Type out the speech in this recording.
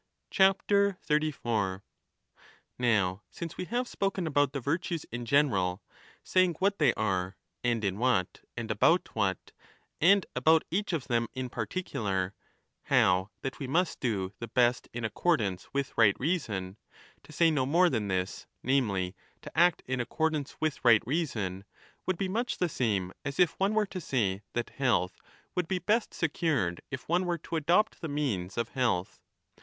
34, Now since we have spoken about the virtues in general, saying what they are and in what and about what, and 5 about each of them in particular, how that we must do the best in accordance with right reason, to say no more than this, namely, ' to act in accordance with right reason,' would be much the same as if one were to say that health would be best secured, if one were to adopt the means of health.